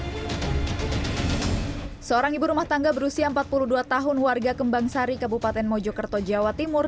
hai seorang ibu rumah tangga berusia empat puluh dua tahun warga kembangsari kabupaten mojokerto jawa timur